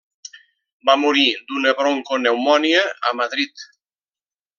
Va morir d'una broncopneumònia a Madrid.